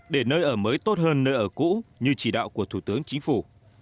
để nơi ở mới tốt hơn nơi ở cũ như chỉ đạo của thủ tướng chính phủ